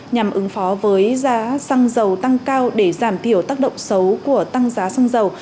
nhằm ứng phó với giá xăng dầu tăng cao để giảm thiểu tác động xấu của tăng giá xăng dầu